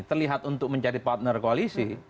terlihat untuk mencari partner koalisi